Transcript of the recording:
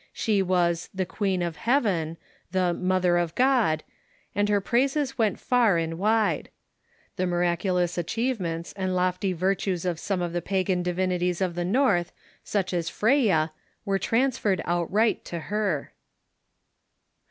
She was the " Queen of Heaven," the " Mother of God," and her praises went far and wide. The miraculous achievements and lofty virtues of some of the pagan divinities of the North, such as Freya, were transferred outright to her.